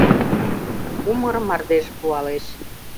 Умыр мардеж пуалеш